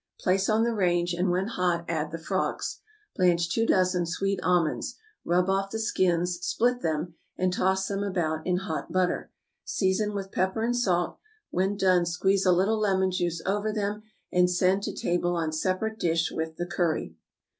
Place on the range, and when hot add the frogs. Blanch two dozen sweet almonds; rub off the skins, split them, and toss them about in hot butter; season with pepper and salt; when done squeeze a little lemon juice over them, and send to table on separate dish with the curry.